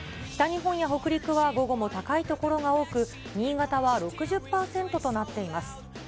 北日本や北陸は午後も高い所が多く、新潟は６０％となっています。